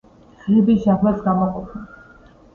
ხეები ჟანგბადს გამოყოფენ